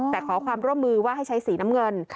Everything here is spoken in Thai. แต่ขอความร่วมมือว่าให้ใช้สีน้ำเงิน